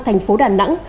thành phố đà nẵng